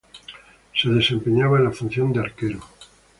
Se desempeñaba en la función de arquero.